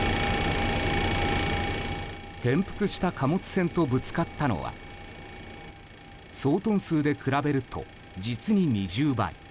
転覆した貨物船とぶつかったのは総トン数で比べると実に２０倍。